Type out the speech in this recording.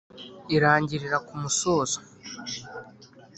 Irangirira kumusozo.